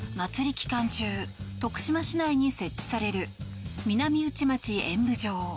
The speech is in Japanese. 期間中徳島市内に設置される南内町演舞場。